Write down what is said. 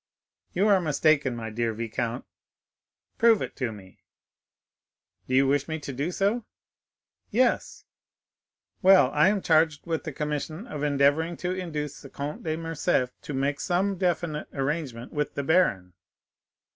"You are mistaken, my dear viscount." "Prove it to me." "Do you wish me to do so?" "Yes." "Well, I am charged with the commission of endeavoring to induce the Comte de Morcerf to make some definite arrangement with the baron."